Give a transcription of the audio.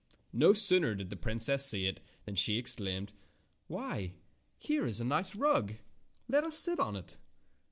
No sooner did the princess see it than she exclaimed: ''Why, here is a nice rug! Let us sit on it."